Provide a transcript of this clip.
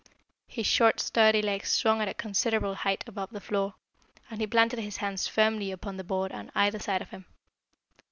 His short, sturdy legs swung at a considerable height above the floor, and he planted his hands firmly upon the board on either side of him.